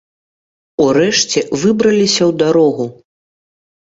Урэшце выбраліся ў дарогу.